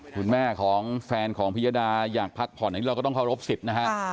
คุณแม่แฟนของพิวดาอยากพักผ่อนอย่างนี้เราก็ต้องเข้ารบสิบนะฮะ